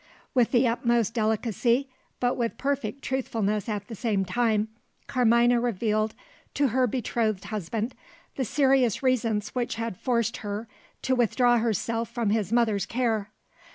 With the utmost delicacy, but with perfect truthfulness at the same time, Carmina revealed to her betrothed husband the serious reasons which had forced her to withdraw herself from his mother's care.